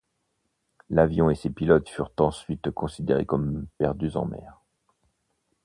L'avion et ses pilotes furent ensuite considérés comme perdus en mer.